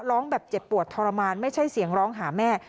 ร้องแบบเจ็บปวดทรมานไม่ใช่เสียงร้องหาแม่